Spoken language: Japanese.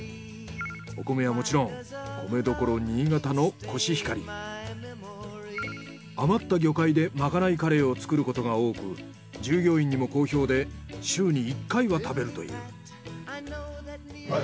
お米はもちろん米どころ余った魚介でまかないカレーを作ることが多く従業員にも好評で週に１回は食べるという。